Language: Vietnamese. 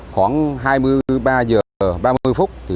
khoảng hai mươi ba h ba mươi phút